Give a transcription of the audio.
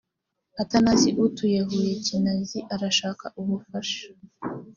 atanazi utuye huye kinazi arashaka ubufasha